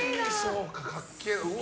うわ！